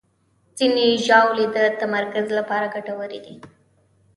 ځینې ژاولې د تمرکز لپاره ګټورې دي.